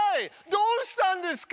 どうしたんですか？